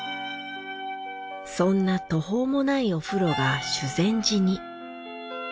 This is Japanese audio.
そんな途方もないお風呂が修善寺に。